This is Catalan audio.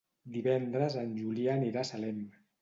Divendres en Julià anirà a Salem.